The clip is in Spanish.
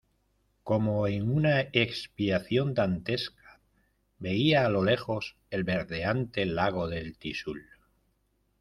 como en una expiación dantesca, veía a lo lejos el verdeante lago del Tixul